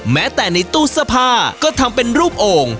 แม้แต่ในตู้เสื้อผ้าก็ทำเป็นรูปโอ่ง